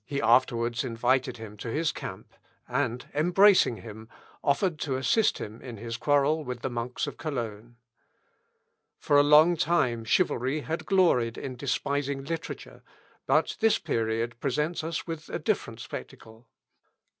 He afterwards invited him to his camp, and, embracing him, offered to assist him in his quarrel with the monks of Cologne. For a long time chivalry had gloried in despising literature, but this period presents us with a different spectacle.